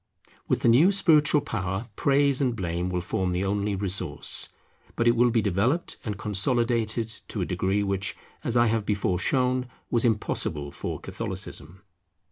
With the new spiritual power praise and blame will form the only resource; but it will be developed and consolidated to a degree which, as I have before shown, was impossible for Catholicism.